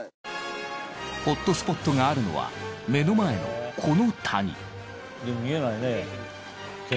ホットスポットがあるのは目の前のこの谷。